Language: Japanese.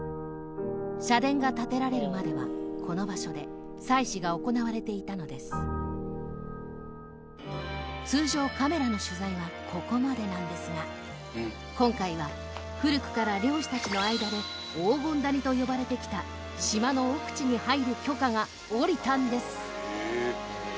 社殿が建てられるまではこの場所で祭祀が行われていたのです通常カメラの取材はここまでなんですが今回は古くから漁師達の間で黄金谷と呼ばれてきた島の奥地に入る許可が下りたんです！